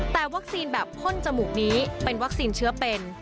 แต่วัคซีนแบบพ่นจมูกนี้เป็นวัคซีนเชื้อเป็น